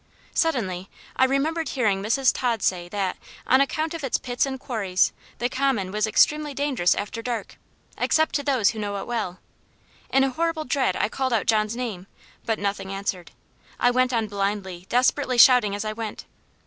Suddenly I remembered hearing Mrs. Tod say that, on account of its pits and quarries, the common was extremely dangerous after dark, except to those who knew it well. In a horrible dread I called out John's name but nothing answered. I went on blindly, desperately shouting as I went.